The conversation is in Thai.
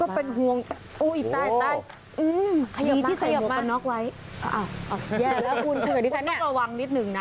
คุณต้องประวังนิดหนึ่งนะ